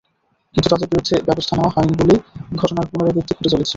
কিন্তু তাদের বিরুদ্ধে ব্যবস্থা নেওয়া হয়নি বলেই ঘটনার পুনরাবৃত্তি ঘটে চলেছে।